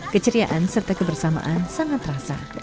keceriaan serta kebersamaan sangat terasa